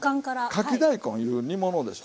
かき大根いう煮物でしょ。